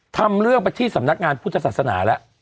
ทำเรื่องไปที่สำนักงานพุทธศาสนาแล้ว